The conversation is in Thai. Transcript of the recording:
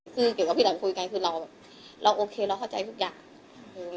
คือเกรกกับพี่แหลมคุยกันคือเราโอเคเราเข้าใจทุกอย่าง